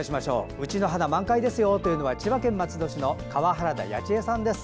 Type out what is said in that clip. うちの花満開ですよというのは千葉県松戸市の川原田八千恵さんです。